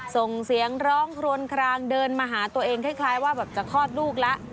ส่งเสียงร้องครวนคลางเดินมาหาตัวเองคล้ายว่าแบบจะคลอดลูกแล้ว